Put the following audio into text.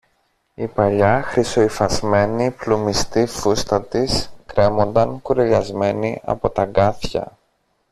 Η παλιά χρυσοϋφασμένη πλουμιστή φούστα της κρέμονταν κουρελιασμένη από τ' αγκάθια